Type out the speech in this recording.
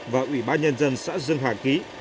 và ubnd xã dương hà ký